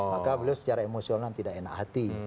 maka beliau secara emosional tidak enak hati